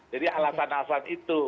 jadi alasan alasan itu